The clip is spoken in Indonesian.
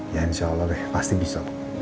ya insya allah pasti bisa